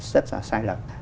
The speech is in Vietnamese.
rất là sai lầm